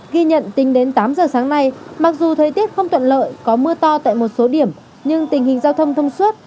ghi nhận tính đến tám giờ sáng nay mặc dù thời tiết không thuận lợi có mưa to tại một số điểm nhưng tình hình giao thông thông suốt